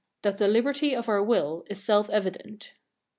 That the liberty of our will is self evident.